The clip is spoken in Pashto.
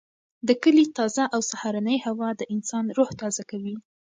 د کلي تازه او سهارنۍ هوا د انسان روح تازه کوي.